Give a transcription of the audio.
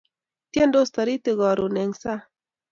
Tyendos taritik karon eng' sang'.